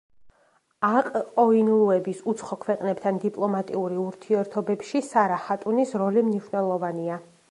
აყ-ყოინლუების უცხო ქვეყნებთან დიპლომატიური ურთიერთობებში სარა ჰატუნის როლი მნიშვნელოვანია.